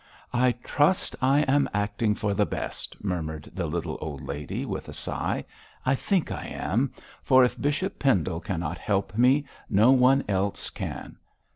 'I trust I am acting for the best,' murmured the little old lady, with a sigh. 'I think I am; for if Bishop Pendle cannot help me, no one else can.